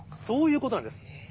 そういうことなんです。